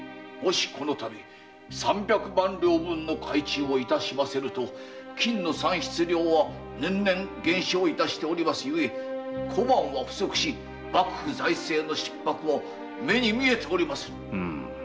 このたび三百万両分の改鋳をいたしませぬと金の産出量は年々減少しているため小判は不足し幕府財政の逼迫は目に見えております。